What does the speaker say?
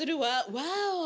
ワオ。